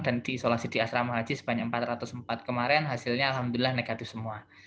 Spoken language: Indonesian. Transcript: dan diisolasi di asrama haji sebanyak empat ratus empat kemarin hasilnya alhamdulillah negatif semua